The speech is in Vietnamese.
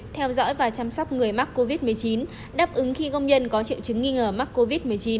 theo dõi và chăm sóc người mắc covid một mươi chín đáp ứng khi công nhân có triệu chứng nghi ngờ mắc covid một mươi chín